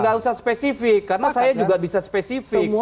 gak usah spesifik karena saya juga bisa spesifik